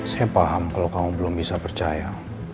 saya paham kalau kamu belum bisa percaya